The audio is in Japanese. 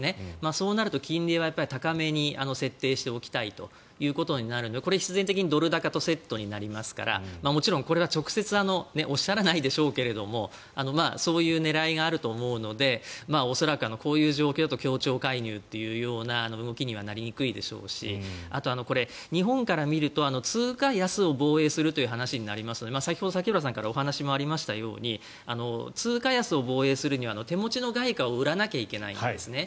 そうなると金利は高めに設定しておきたいということになるのでこれ必然的にドル高とセットになりますからこれは直接おっしゃらないでしょうけどそういう狙いがあると思うので恐らくこういう状況だと協調介入という動きにはなりにくいでしょうしあと、日本から見ると通貨安を防衛するという話になりますので先ほど榊原さんからお話もありましたように通貨安を防衛するには手持ちの外貨を売らないといけないんですね。